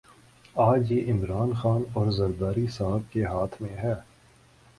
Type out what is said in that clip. آج یہ عمران خان اور زرداری صاحب کے ہاتھ میں ہے۔